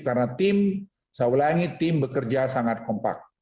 karena tim saya ulangi tim bekerja sangat kompak